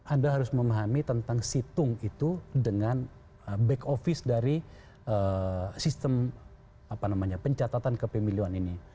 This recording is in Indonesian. anda harus memahami tentang situng itu dengan back office dari sistem pencatatan kepemiluan ini